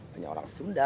banyak orang sunda